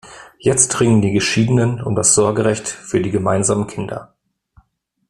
Jetzt ringen die Geschiedenen um das Sorgerecht für die gemeinsamen Kinder.